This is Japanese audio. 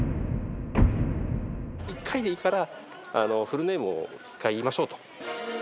一回でいいから、フルネームを１回言いましょうと。